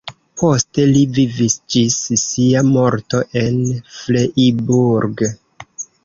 Poste li vivis ĝis sia morto en Freiburg.